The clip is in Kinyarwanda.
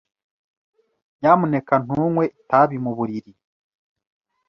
Nyamuneka ntunywe itabi mu buriri.